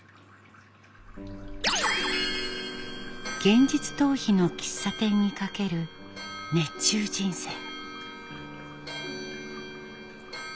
現実逃避の喫茶店にかける熱中人生。